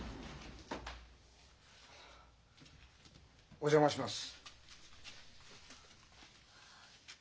お邪魔します。